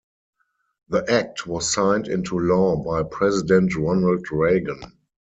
The act was signed into law by President Ronald Reagan.